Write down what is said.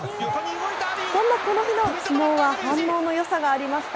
こんなこの日の相撲は、反応のよさがありました。